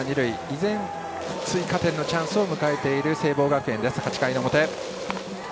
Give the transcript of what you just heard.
依然、追加点のチャンスを迎えている聖望学園です。